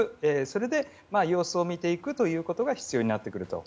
それで様子を見ていくことが必要になってくると。